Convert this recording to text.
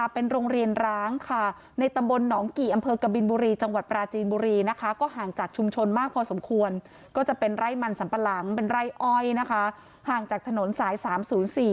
เป็นไร้ออยนะคะห่างจากถนนสายสามศูนย์สี่